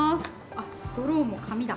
あ、ストローも紙だ！